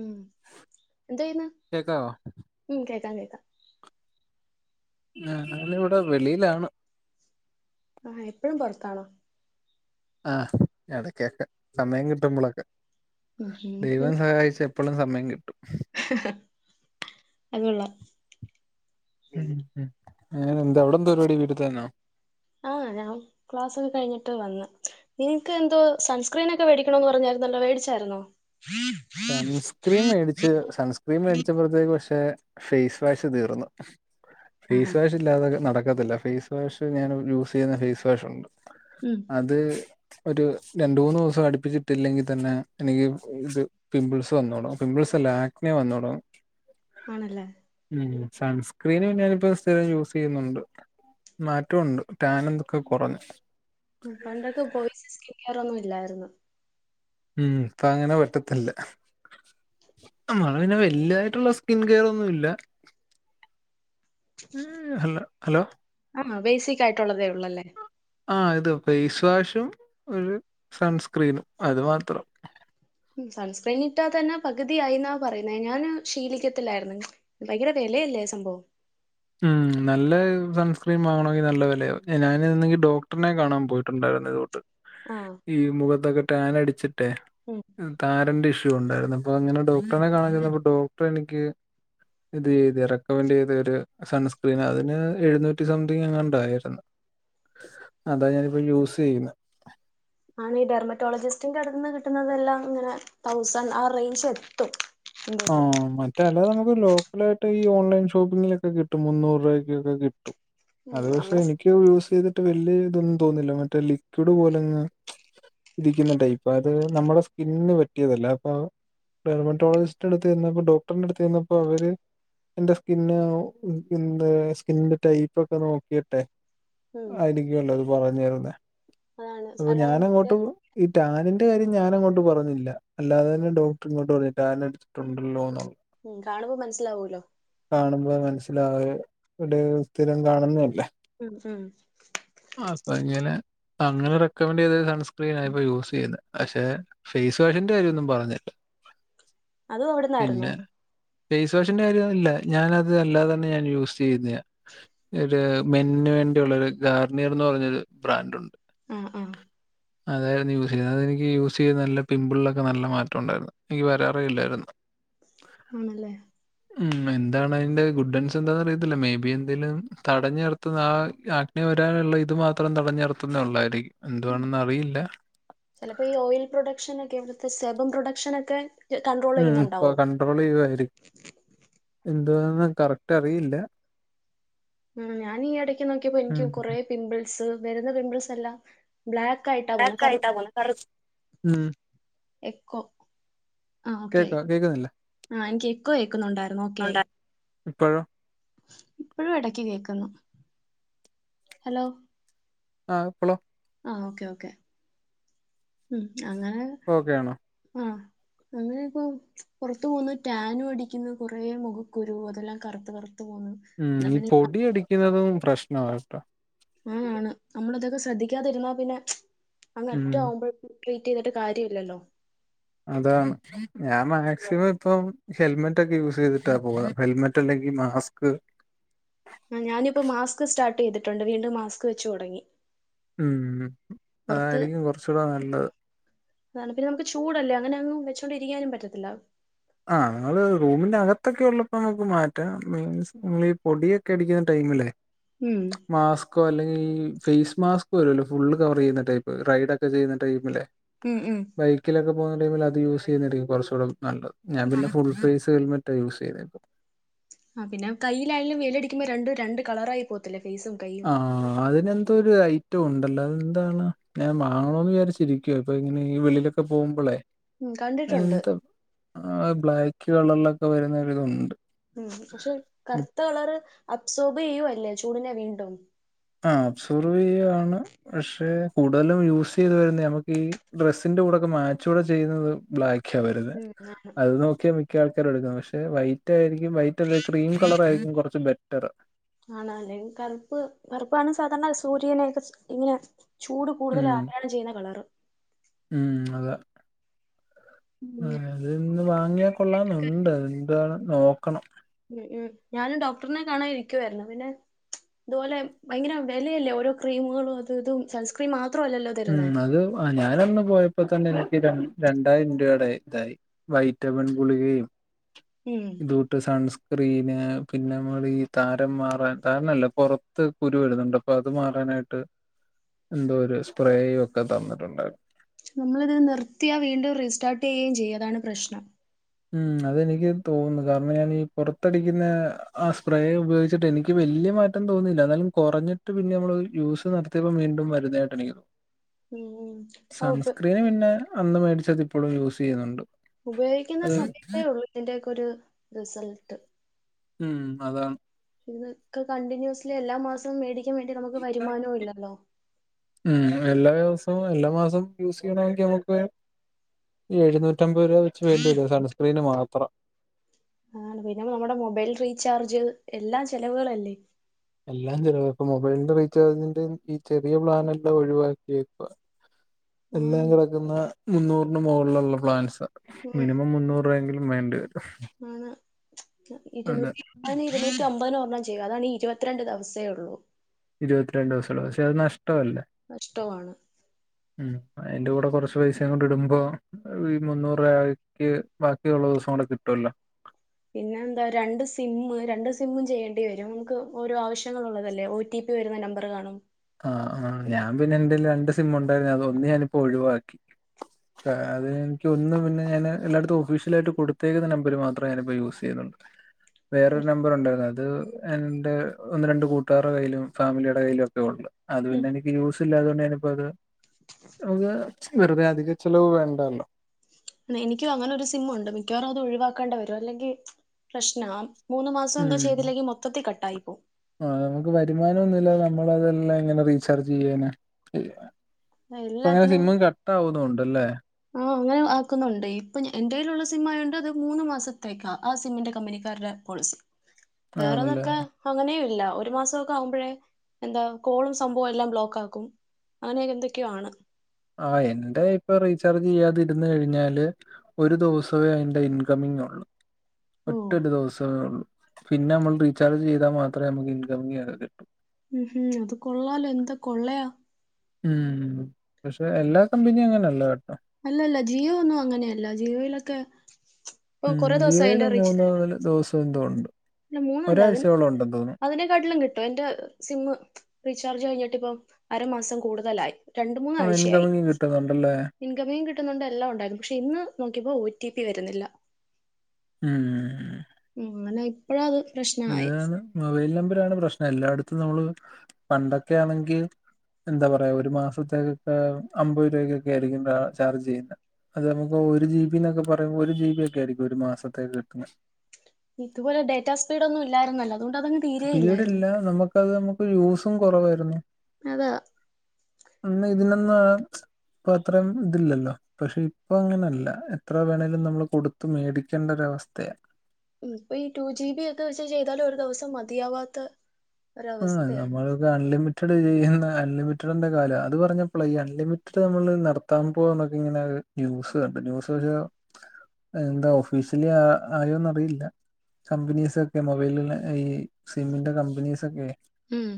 ഉം എന്തെയ്ന്ന് കേക്കാവോ മ് കേക്കാം കേക്കാം. ഞാനിവിടെ വെളിയിലാണ്. ആഹ് എപ്പഴും പുറത്താണോ? ആഹ് എടക്കൊക്കെ സമയം കിട്ടുമ്പോളൊക്കെ ഉം ദൈവം സഹായിച്ച് എ പ്പളും സമയം കിട്ടും. അതുകൊള്ളാം. ഉം ങ്ങനെ എന്തവിടെന്ത്‌ പരിപാടി വീട്ടിൽത്തന്നാണോ? ആഹ് ഞങ്ങള് ക്ലാസ്സൊക്കെ കഴിഞ്ഞിട്ട് വന്ന്. നിങ്ങ്ക്ക് എന്തോ സൺസ്ക്രീനൊക്കെ വേടിക്കണന്ന് പറഞ്ഞായിരുന്നല്ലോ വേടിച്ചായിരുന്നോ? സൺസ്ക്രീൻ മേടിച്ച് സൺസ്ക്രീൻ മേടിച്ചപ്പോത്തേക്ക് പക്ഷെ ഫേസ് വാഷ് തീർന്നു ഹ് ആഹാ ഫേസ് വാഷ് ഇല്ലാതെ നടക്കത്തില്ല ഫേസ് വാഷ് ഞാൻ യൂസ് ചെയ്യുന്ന ഫേസ് വാഷുണ്ട്. ഉം അത് ഒരു രണ്ടു മൂന്ന് ദിവസം അടുപ്പിച്ചിട്ടില്ലെങ്കി തന്നെ എനിക്ക് ഇത് പിമ്പിൾസ് വന്നു തുടങ്ങും പിമ്പിൾസ് അല്ല ആഗ്‌നെ വന്നോടങ്ങും ആണല്ലേ. ഉം സൺസ്ക്രീന് പിന്നെ അതിപ്പോ സ്ഥിരം യൂസ് ചെയ്യുന്നുണ്ട്. മാറ്റവുണ്ട് ടാൻ ഇന്തൊക്കെ കുറഞ് മ് പണ്ടൊക്കെ ബോയ്സ് സ്കിൻകെയറൊന്നും ഇല്ലാരുന്നു. ഉം ഇപ്പൊ അങ്ങനെ പറ്റത്തില്ല. മ്മള് പിന്നെ വല്യതായിട്ടുള്ള സ്കിൻ കെയർ ഒന്നുല്ല. ഹലോ ഹലോ ആണോ ബേസിക് ആയിട്ടുള്ളതേ ഉള്ളല്ലേ? ആഹ് ഇത് ഫേസ് വാഷും ഒരു സൺസ്ക്രീനും അത് മാത്രം. ഉം സൺസ്ക്രീൻ ഇട്ടാ തന്നെ പകുതിയായിന്നാ പറയുന്നേ ഞാന് ശീലിക്കത്തില്ലായിരുന്ന് ഇങ്ങനെ. ഭയങ്കര വിലയല്ലേ സംഭവം ഉം നല്ല സൺസ്ക്രീൻ വാങ്ങണമെങ്കിൽ നല്ല വിലയാവും ഞാൻ ഒന്നെങ്കി ഡോക്ടറിനെ കാണാൻ പോയിട്ട് ണ്ടായിരുന്നെത് തൊട്ട്. ആഹ് ഈ മുഖത്തൊക്കെ ടാൻ അടിച്ചിട്ടെ ഉം താരന്റെ ഇഷ്യൂ ഉണ്ടായിരുന്നു അപ്പൊ അങ്ങനെ ഡോക്ടർനെ കാണാൻ ചെന്നപ്പൊ ഡോക്ടർ എനിക്ക് ഇത് ചെയ്ത് റെക്കമെന്റ് ചെയ്ത ഒരു സൺസ്ക്രീൻ അതിന് എഴുന്നൂറ്റി സംതിങ് എങ്ങാണ്ടായിരുന്ന് അതാ ഞാനിപ്പോ യൂസ് ചെയ്യുന്നേ. ആണ് ഈ ഡെർമറ്റോളജിസ്റ്റിന്റെ അടുത്ത്ന്ന് കിട്ടുന്നതെല്ലാം ഇങ്ങനെ തൗസാൻഡ് ആ റേഞ്ച് എത്തും. എന്തേലും ആഹ് മ റ്റേ അല്ലതെ നമുക്ക് ലോക്കലായിട്ട് ഓൺലൈൻ ഷോപ്പിങ്ങിലൊക്കെ കിട്ടും മുന്നൂറ് രൂപയ്ക്കൊക്കെ കിട്ടും. ഉം അത് പക്ഷെ നമ്മടെ എനിക്ക് യൂസ് ചെയ്തിട്ട് വല്ല്യ ഇതൊന്നും തോന്നില്ല മറ്റേ ലിക്വിഡ് പോലങ്ങ് ഇരിക്കുന്ന ടൈപ്പാ അത് നമ്മുടെ സ്കിന്നിന് പറ്റിയതല്ല അപ്പൊ ഡെർമറ്റോളജിസ്റ്റ് അടുത്ത് ചെന്നപ്പോ ഡോക്ടറിന്റെ അടുത്ത് ചെന്നപ്പോ അവര് എന്റെ സ്കിന്ന് എന്റെ സ്കിന്നിന്റെ ടൈപ്പ് ഒക്കെ നോക്കിട്ടെ ഉം ആയിരിക്കല്ലോ അത് പറഞ്ഞു തരുന്നേ അതാണ് അപ്പൊ അല്ലാതെ മറ്റേ ഞാനങ്ങോട്ട് ഈ ടാനിന്റെ കാര്യം ഞാനാങ്ങോട്ട് പറഞ്ഞില്ല അല്ലാതെ തന്നെ ഡോക്ടർ ഇങ്ങോട്ട് പറഞ്ഞ് ടാനടിച്ച് ട്ടുണ്ടല്ലോന്നുള്ളെ ഉം കാണുമ്പോ മനസ്സിലാവൂല്ലോ കാണുമ്പോ മനസ്സിലാവെ വര് സ്ഥിരം കാണുന്നല്ലേ. ഉം ഉം. അപ്പൊ ഇങ്ങനെ. അങ്ങനെ റെക്കമെൻ്റെയ്ത സൺസ്ക്രീനാ ഇപ്പോ യൂസെയ്യുന്നെ. പക്ഷെ ഫേസ് വാഷിന്റെ കാര്യമൊന്നും പറഞ്ഞില്ല. അതും അവിടന്നായിരുന്നോ പിന്നെ ഫേസ് വാഷിന്റെ കാര്യൊന്നു ഇല്ല ഞാന് അത് അല്ലാതെ തന്നെ ഞാൻ യൂസെയ്യുന്നെയാ. ഒരു മെൻ ന് വേണ്ടിയുള്ള ഒരു ഗാർണിയർ എന്ന് പറഞ്ഞൊരു ബ്രാൻഡുണ്ട്. ആഹ് ആഹ് [inaudible] അതായിരുന്നു യൂസ് ചെയ്യുന്നത്. അതെനിക്ക് യൂസ് ചെയ്ത് നല്ല പിമ്പിൾലൊക്കെ നല്ല മാറ്റം ഉണ്ടായിരുന്നു. എനിക്ക് വരാറേ യില്ലായിരുന്നു. ആഹ [unintelligible] ആണല്ലേ ഉം എന്താണ് അയിന്റെ ഗുഡൻസ് എന്താന്ന് അറിയത്തില്ല മേ ബി എന്തേലും തടഞ്ഞ നിർത്തുന്ന ആ ആക്നെ [unintelligible] വരാനുള്ള ഇത് മാത്രം തടഞ്ഞു നിർത്തുന്ന ഉള്ളായിരിക്കും. എന്തുവാണെന്ന് അറിയില്ല ചിലപ്പോ ഈ ഓയിൽ പ്രൊഡക്ഷൻ ഒക്കെ ഇവിടുത്തെ സെബും പ്രൊഡക്ഷനൊക്കെ കൺട്രോൾ ഉം അപ്പൊ ചെയ്യുന്നുണ്ടാവും കണ്ട്രോൾ ചെയ്യു ആയിരി. എന്തുവാന്ന് കറക്റ്റ് അറിയില്ല ഉം ഞാൻ ഈ എടക്ക് നോക്കിയപ്പം എനിക്ക് ഉം. കൊറേ പിംമ്പിൾസ്, വരുന്ന പിമ്പിൾസ് എല്ലാ ബ്ലാക്ക് ആയിട്ട പോവുന്ന കറ് ബാക്കായിട്ടാ പോണെ കറു ഉം. എക്കോ ആഹ് ഓക്കെ ആയി. കേക്കാ കേക്കുന്നില്ലേ? ആഹ് എനിക്ക് എക്കോ കേക്കുന്നുണ്ടായിരുന്നു ഓക്കെ ആയി ഉണ്ടാ ഇപ്പഴോ ഇപ്പഴും എടക്ക് കേക്കുന്നു. ഹെലോ ആഹ് ഇപ്പളോ ആഹ് ഓക്കേ ഓക്കെ ഉം അങ്ങനെ പ്പൊ ഓക്കെ ആണോ? ആഹ് അങ്ങനെയൊക്കൊ പുറത്ത് പോവ്ന്ന്, ടാനും അടിക്കുന്നു കുറേ മുഖക്കുരു അതെല്ലാം കറുത്ത് കറുത്ത് പോവുന്ന്. ഉം ഈ പൊടിയടിക്കുന്നതും പ്രശ്നമാട്ടോ ആഹ് ആണ്. നമ്മളിതൊക്കെ ശ്രദ്ധിക്കാതിരുന്നാ പിന്നെ അങ്ങ് ഉം. അറ്റ ആവുമ്പഴ്ക്ക് ട്രീറ്റ് ചെയ്തിട്ട് കാര്യ ഇല്ലല്ലോ അതാണ്. ഞാൻ മാക്സിമം ഇപ്പം ഹെൽമെറ്റ് ഒക്കെ യൂസ് ചെയ്തിട്ടാ പോകാ. ഹെൽമെ ട്ട് ല്ലെങ്കി മാസ്ക്ക് ഉം ഞാനിപ്പ മാസ്ക് സ്റ്റാർട്ട് ചെയ്തിട്ടുണ്ട്. വീണ്ടും മാസ്ക് വെച്ച് തുടങ്ങി ഉം പുറത്ത് അതായിരിക്കും കുറച്ചുകൂടെ നല്ലത് അതാണ് പിന്നെ നമുക്ക് ചൂടല്ലേ അങ്ങനെ ഒന്നും വെച്ചൊണ്ടിരിക്കാനും പറ്റത്തില്ല. ആഹ് നിങ്ങള് റൂമിന്റെ അകത്തൊക്കെ ഉള്ളപ്പം നമുക്ക് മാറ്റാം മീൻസ് നിങ്ങളീ പൊടിയൊ ക്കെ അടിക്കുന്ന ടൈമിലേ ഉം മാസ്കോ അല്ലെങ്കി ഈ ഫേസ് മാസ്ക് വരൂല്ലോ ഫുള്ള് കവർ ചെയ്യുന്ന ടൈപ്പ് റൈഡ് ഒക്കെ ചെയ്യുന്ന ടൈമിലെ ഉം ഉം ബൈക്കിലൊക്കെ പോകുന്ന ടൈമിൽ അത് യൂസ് ചെയ്യുന്നായിരിക്കും കുറച്ചു കൂടെ നല്ലത്. ഞാൻ പിന്നെ ഫുൾ ഫേസ് ഹെൽമെ റ്റാ യൂസ് ചെയ്ന്നെ ഇപ്പം ആഹ് പിന്നെ കയ്യിലായാലും വെയിലടിക്കുമ്പോ രണ്ടും രണ്ട് കളറായി പോകത്തില്ലേ ഫേസും കൈയും ആഹ് അതിന് ത്തൊരു ഐറ്റം ഉണ്ടല്ലോ അത് എന്താണ് ഞാൻ വാങ്ങണോന്ന് വിചാരിച്ചിരിക്കുവാ ഇപ്പൊ ഇങ്ങനെ ഈ വെളിലൊക്കെ പോകുമ്പളേ ഉം കണ്ടിട്ടുണ്ട് എന്തൊ ആ ബ്ലാക്ക് കളറിലൊക്കെ വരുന്നൊരിതുണ്ട്. ഉം പക്ഷെ കറുത്ത കളറ് അബ്സോർബ് ചെയ്യുവല്ലേ ചൂടിനെ വീണ്ടും ആഹ് അബ്സോർവ് ചെയ്യുവാണ് പക്ഷേ കൂടുതലും യൂസ് ചെയ്ത് വരുന്നെ നമുക്ക് ഈ ഡ്രസ്സിന്റെ കൂടൊക്കെ മാച്ചൂടെ ചെയ്യുന്നത് ബ്ലാ ക്ക്യാ വരുന്നെ. ഉം അത് നോക്കിയാ മിക്ക ആൾക്കാരും എടുക്കുന്നെ. പക്ഷെ വൈ റ്റായിരിക്കും വൈറ്റല്ല ക്രീം കളർ ആയിരിക്കും കുറച്ച് ബെറ്റർ ആണ് അല്ലെ കറുപ്പ് കറുപ്പാണ് സാധാരണ സൂര്യനെ ഒക്കെ ഇങ്ങനെ ചൂട് കൂടുതൽ ഉം ആഗിരണം ചെയ്യുന്ന കളറ് ഉം അതെ. ഉം ആഹ് അത് ഇന്ന് വാങ്ങിയാ കൊള്ളാന്നുണ്ട്. അത് എന്താണ് നോക്കണം. ഉം ഉം ഞാനും ഡോക്ടറിനെ കാണാൻ ഇരിക്കുവായിരുന്നു പിന്നെ ഇതുപോലെ ഭയങ്കര വെലയല്ലേ ഓരോ ക്രീമുകളും അത് ഇതും സൺസ്ക്രീൻ മാത്ര അല്ലല്ലോ ഉം അത് ഞാനന്ന് പോയപ്പോ തന്നെ എനിക്ക് രണ്ട് രണ്ടായിരം രൂപയുടെ ഇതായി. വൈറ്റമിൻ ഗുളികയും. ഉം ഇതൂട്ട് സൺസ്ക്രീന് പിന്നെ നമ്മൾ ഈ താരം മാറാൻ താരരല്ല പുറ ത്ത് കുരു വരുന്നുണ്ട് അപ്പൊ അത് മാറാനായിട്ട് എന്തോ ഒരു സ്പ്രേയും ഒക്കെ തന്നിട്ടുണ്ടായിരുന്നു. നമ്മളിത് നിർത്തിയാ വീണ്ടും റീസ്റ്റാർട്ട് ചെയ്യേം ചെയ്യും അതാണ് പ്രശ്നം. ഉം അതെനിക്ക് തോന്നുന്നു കാരണം ഞാൻ ഈ പുറത്തടിക്കുന്ന ആഹ് സ്പ്രേ ഉപയോഗിച്ചിട്ട് എനിക്ക് വലിയ മാറ്റ ട്ടൊന്നും തോന്നിയില്ല എന്നാലും കൊറഞ്ഞിട്ട് പിന്നെ നമ്മള് യൂസ് നിർത്തിയപ്പോ വീണ്ടും വരുന്നായിട്ട് എനിക്ക് ഉം ഉം ആ ഉപ സണ്സ്ക്രീന് പിന്നെ അന്ന് മേടിച്ചത് ഇപ്പഴും യൂസ് ചെയ്യുന്നുണ്ട്. ഉപയോഗിക്കുന്ന അത് സമയത്തേ ഉള്ളൂ ഇതിന്റെയൊക്കെയൊരു റിസൾട്ട്. ഉം അതാണ്. ഇതൊക്കെ കണ്ടിന്യൂസ്ലി എല്ലാ മാസവും മേടിക്കാൻ വേണ്ടി നമുക്ക് വരുമാനവും ഇല്ലല്ലോ. ഉം എല്ലാ ദിവസവും എല്ലാ മാസവും യൂസ് ചെയ്യണമെങ്കി നമുക്ക് എഴുന്നൂറ്റമ്പത് രൂപ വെച്ച് വേണ്ടി വരും സൺസ്ക്രീന് മാത്രം. ആണ് പിന്നെ നമ്മുടെ മൊബൈൽ റീചാർജ് എല്ലാ ചെലവുകളല്ലേ. എല്ലാം ചിലവാ ഇപ്പ മൊബൈലിന്റെ റീചാർജിന്റെ ഈ ചെറിയ പ്ലാൻ എല്ലാം ഒഴിവാക്കിയേക്കുവാ. എല്ലാം ആണ് കിടക്കുന്ന മുന്നൂറിന് മോളിലുള്ള പ്ലാൻസാ ഉം മിനിമം മുന്നൂ റെങ്കിലും വേണ്ടി വരും. ആണ് അതെ ഇരുന്നൂറ്റി അതിന് ഇരുന്നൂറ്റി അമ്പതിന് ഒരെണ്ണം ചെയ്തു അതാണേ ഇരുപത്തിരണ്ട് ദിവസേ ഉള്ളൂ. ഇരുപത്തിരണ്ട് ദിവസേ ഉള്ള പക്ഷെ അത് നഷ്ട അല്ല. നഷ്ടമാണ്. ഉം അതിന്റെ കൂടെ കുറച്ച് പൈസയും കൂടെ ഇടുമ്പോ ഈ മുന്നൂറു രൂപാക്ക് ബാക്കിയുള്ള ദിവസം കൂടെ കിട്ടുവല്ലോ. പിന്നെ എന്താ രണ്ട് സിമ്മ് രണ്ട് സിമ്മും ചെയ്യേണ്ടി വരും നമുക്ക് ഓരോ ആവശ്യങ്ങൾ ഉള്ളതല്ലേ ഒ ടി പി വരുന്ന നമ്പറ് കാണും. ആഹ് ആഹ് ഞാൻ പിന്നെ എൻ്റേല് രണ്ട് സിമ്മ് ഒണ്ടായിരുന്നത് ഒന്ന് ഞാനിപ്പോ ഒഴിവാക്കി. അത് എനിക്ക് ഒന്ന് പിന്നെ ഞാന് എല്ലായിടത്തും ഒഫീഷ്യലായിട്ട് കൊടുത്തേക്കുന്ന നമ്പറ് മാത്രം ഞാനിപ്പോ യൂസ് ചെയ്യുന്നുണ്ട്. [inaudible] വേറൊരു നമ്പർ ഉണ്ടായിരുന്നു അത് എൻ്റെ ഒന്ന് രണ്ടു കൂട്ടുകാരുടെ കയ്യിലും ഫാമിലിയുടെ കയ്യിലു ഒക്കെ ഒള്ളൂ. അത് ഉം പിന്നെ എനിക്ക് യൂസ് ഇല്ലാത്തകൊണ്ട് ഞാനിപ്പോ അത് നമുക്ക് വെറുതെ അധികച്ചിലവ് വേണ്ടാലോ. എനിക്കും അങ്ങനെ ഒരു സിമ്മുണ്ട് മിക്കവാറും അത് ഒഴിവാക്കണ്ട വരും അല്ലെങ്കി പ്രശ്നാ. മൂന്ന് മാസം എന്തോ ചെയ്തില്ലെങ്കിൽ മൊത്തത്തി കട്ടായി പോവും. ആഹ് നമുക്ക് വരുമാനനൊന്നുമില്ലാതെ നമ്മളതെല്ലാം എങ്ങനെ റീചാർജ് ചെയ്യാനാ. ഇപ്പ അങ്ങനെ എല്ലാത്തിലും സിമ്മും കട്ടാവുന്നുണ്ടല്ലേ. ആഹ് അങ്ങനെ ആക്കുന്നുണ്ട് ഇപ്പൊ എന്റെലൊള്ള സിംമ്മായോണ്ട് അത് മൂന്നുമാസത്തേക്കാ ആ സിമ്മിന്റെ കമ്പനി ക്കാരുടെ പോളിസി. [inaudible] വേറതൊക്ക അങ്ങനെയും ഇല്ല ഒരു മാസൊക്കെ ആകുമ്പോഴേ എന്താ കോളും സംഭവും എല്ലാം ബ്ലോക്ക് ആക്കും. അങ്ങനെ എന്തൊക്കെയാണ്. ആഹ് എന്റെ ഇപ്പൊ റീചാർജ് ചെയ്യാതിരുന്ന് കഴിഞ്ഞാല് ഒരു ദിവസവേ അതിൻ്റെ ഇൻകമിംഗ് ഒള്ളൂ ഓ ഒറ്റൊരു ദിവസവേ ഒള്ളൂ. പിന്നെ നമ്മള് റീചാർജ് ചെയ്താ മാത്രേ നമുക്ക് ഇൻകമിംഗ് ഒക്കെ കിട്ടൂ. ഉം ഉം അത് കൊള്ളാലോ എന്ത് കൊള്ളയാ. ഉം പക്ഷെ എല്ലാ കമ്പനിയും അങ്ങനെല്ലാ കേട്ടോ. അല്ല അല്ല ജിയോ ഒന്നും അങ്ങനെയല്ല. ജിയോയിലൊക്കെ ഇപ്പൊ ഉം കൊറേ ദിവസായി എന്റെ റീച്ച് ജീയൊയില്മൂന്നാല് ദിവസന്തോ ഉണ്ട് അല്ല മൂന്നല്ല അതിൻ ഒരാഴ്ചയോളം ഉണ്ടെന്ന് തോന്നുന്നു അതിനെക്കാട്ടിലും കിട്ടും എന്റെ സിമ്മ് റീചാർജ് കൈഞ്ഞിട്ടിപ്പം അരമാസം കൂടുതലായി ഇപ്പൊ ഇൻകമിങ്ങും കിട്ടുന്നുണ്ടല്ലേ ഇൻകമിങ്ങും കിട്ടുന്നുണ്ട് എല്ലാ ഉണ്ടായിരുന്നു പക്ഷെ ഇന്ന് നോക്കിയപ്പോ ഒ ടി പി വരുന്നില്ല ഉം ഉം ഇങ്ങനെ പ്പഴത് പ്രശ് താണ് മൊബൈൽ നമ്പറാണ് പ്രശ്നം എല്ലായിടത്തും നമ്മള് പണ്ടൊക്കെയാണെങ്കിൽ എന്താ പറയാ ഒരു മാസത്തേക്കൊക്കെ അമ്പത് രൂപക്കൊക്കെ ആയിരിക്കും ചാ ചാർജ് ചെയ്യുന്നെ അത് നമുക്ക് ഒരു ജി ബി ന്നൊക്കെ പറയുമ്പോ ഒരു ജി ബി ഒക്കെ ആയിരിക്കും ഒരു മാസത്തേക്ക് കിട്ടുന്നെ ഇതുപോലെ ഡേറ്റാ സ്പീടൊന്നും ഇല്ലായിര്ന്നല്ലോ അതോണ്ട് അതങ്ങ് തീരെ ഇല്ലായിരുന്നു സ്പീടില്ല നമ്മക്കത് നമ്മുക്ക് യൂസും കൊറവായിര്ന്നു അത അന്ന് ഇതിനൊന്നു അപത്ര ഇതില്ലല്ലോ പക്ഷെ ഇപ്പ അങ്ങനല്ല എത്ര വേണേലും നമ്മൾ കൊടുത്ത് മേടിക്കേണ്ടരവസ്ഥയ ഇപ്പൊ ഈ ടു ജി ബിയൊക്കെ വെച്ച് ചെയ്താലു ഒരു ദവസം മതിയാവാത്ത ആഹ് ഒരവസ്ഥയാണ് നമ്മള് ത അൺലിമിറ്റഡ് ചെയ്യുന്ന അൺലിമിറ്റഡിന്റെ കാലാ അത് പറഞ്ഞപ്പള ഈ അൺലിമിറ്റഡ് നമ്മള് നട താമ്പോവന്നൊക്കെ ഇങ്ങനൊര് ന്യൂസ് കണ്ട് ന്യൂസ് പക്ഷെ എന്താ ഓഫീഷ്യലി അ ആയോന്നറിയില്ല കമ്പനീസൊക്കെ മൊബൈൽലെ ഈ സിമ്മിന്റെ കമ്പനീസൊക്കെ ഉം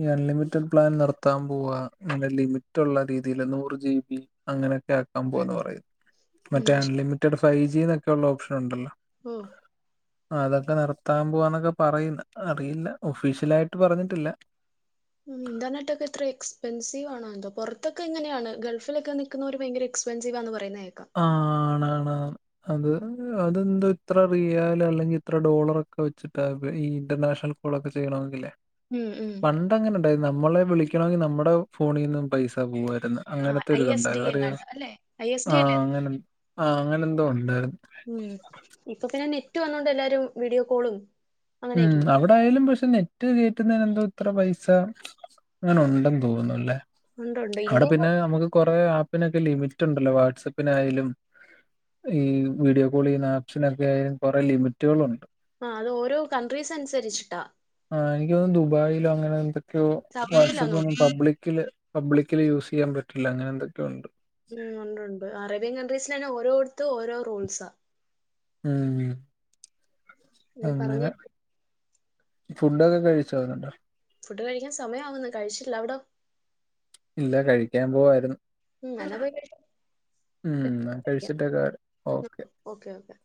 ഈ അൺലിമിറ്റഡ് പ്ലാൻ നിർത്താൻ പോവാ നിങ്ങൾ ലിമിറ്റുള്ള രീതിയില് നൂറ് ജി ബി അങ്ങനെയൊക്കെ ആക്കാൻ പോവന്ന് പറയുന്നു മറ്റേ നഷ് അൺലിമിറ്റഡ് ഫൈവ് ജി ന്നൊക്കെ ള്ള ഓപ്ഷനുണ്ടല്ലോ ഓ അതൊക്കെ നിർത്താൻ പോവാന്നൊക്കെ പറയുന്ന് അറിയില്ല ഒഫീഷ്യലായിട്ട് പറഞ്ഞിട്ടില്ല ഉം ഇന്റർനെറ്റ് ഒക്കെ ഇത്ര എക്സ്പെൻസീവ് ആണോ ന്തോ പൊർത്തൊക്കെ എങ്ങനെയാണ് ഗൾഫിലൊക്കെ നി ക്ക്ന്നോര് ഭയങ്കര എക്സ്പെൻസിവാന്ന് പറയുന്നെ കേക്കാ ആണാണ് അത് അത് ന്ത ഇത്ര റിയാല് അല്ലെങ്കി ഇത്ര ഡോളറൊക്കെ വെച്ചിട്ടാപ്പൊ ഈ ഇന്റർനാഷ കോളൊക്കെ ചെയ്യണമെങ്കില്ലേ ഉം ഉം പണ്ടങ്ങനെണ്ടായിര്ന്ന് നമ്മളെ വിളിക്കണമെങ്കിൽ നമ്മടെ ഫോണീന്നും പൈസ പോവായിര്ന്ന്. ആ ഐ എസ് ഡി അങ്ങനത്തെരിതുണ്ടായിരു അറിയോ എങ്ങാണ്ട് അല്ലെ ഐ എസ് ഡി അല്ലേ ആഹ് അത്? അങ്ങനെ ആഹ് അങ്ങനെ എന്തോ ഉണ്ടായിര്ന്ന് ഉം ഇപ്പൊ പിന്നെ നെറ്റ് വന്നോണ്ട് എല്ലാരും വീഡിയോ കോളും ഉം അങ്ങനെയൊക്കെ അ ഇവ്ടയിലും പക്ഷെ നെറ്റ് കേറ്റുന്നേനെന്ത ഇത്ര പൈസ അങ്ങനെ ഉണ്ടെന്ന് തോന്നുന്നു ലെ ഉണ്ട് ഉണ്ട് ആടെ പിന്നെ ഇന്ത്യയില് നമുക്ക് കൊറേ ആപ്പിനൊക്കെ ലിമിറ്റ് ണ്ടല്ലോ വാട്സാപ്പിനായാലും ഈ വീഡിയോ കോളെയ്യുന്ന ആപ്പ്സിനൊക്കെ കൊറേ ലിമിറ്റുകളുണ്ട് ആഹ് അതോരോ കൺട്രീസ് അനുസരിച്ച്ട്ടാ ആഹ് എനിക്കോന്നുന്നു ദുബായിലോ അങ്ങനെ എന്തൊക്കെയോ സൗദിയിലാന്ന് വാട്സ്ആപ്പൊന്നും തോന്നുന്നു പബ്ലി ക്കില് പബ്ലിക്കില് യൂസെയ്യാൻ പറ്റില്ല അങ്ങനെ എന്തൊക്കെയോ ഉണ്ട്. ഉം ഉണ്ട് ഉണ്ട് അറേബ്യൻ കൺട്രീസ് ലെന്നെ ഓരോട്ത്തും ഓരോ റൂൾസാ ഉം അങ്ങനെ ഫുഡൊക്കെ കഴിച്ചൊ നിങ്ങള് ഫുഡ് കഴിക്കാൻ സമയാവുന്നു കഴിച്ചില്ല അവ്ടെ ഇല്ല കഴിക്കാൻ പോവായിര്ന്നു ഉം എന്നാ പോയി കഴിച്ചോ. ഉം ന്നാ കഴിച്ചിട്ടെക്കെ വരാം ഓക്കെ ഓക്കെ ഓക്കെ